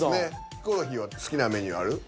ヒコロヒーは好きなメニューある？